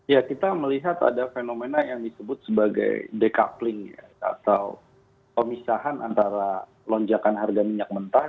ya kita melihat ada fenomena yang disebut sebagai decoupling atau pemisahan antara lonjakan harga minyak mentah